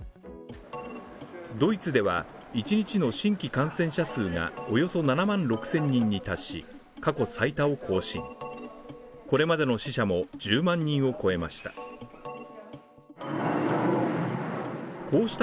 ドイツでは１日の新規感染者数がおよそ７万６０００人に達し過去最多を更新、これまでの死者も１０万人を超えました。